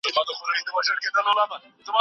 د نېکو اخلاقو نشر د ټولني په ژوند کې ارزښت لري.